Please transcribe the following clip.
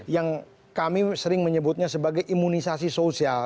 yang kami sering menyebutnya sebagai imunisasi sosial